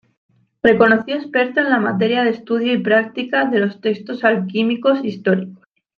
Reconocido experto en la materia de estudio y práctica de los textos alquímicos históricos.